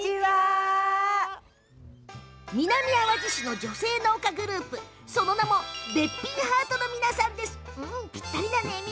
南あわじ市の女性農家グループ、その名も「べっぴんハート」の皆さんです。